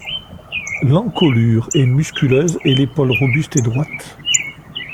L'encolure est musculeuse et l'épaule robuste et droite.